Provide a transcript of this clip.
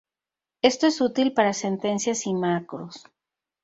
Esto es útil para sentencias y macros.